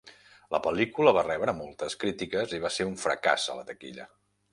La pel·lícula va rebre moltes crítiques i va ser un fracàs a la taquilla.